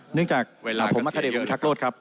เนื่องจากอ่าผมฮิลลูกพักภิกษ์ของเทศกรติภาครับ